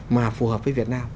mà phù hợp với việt nam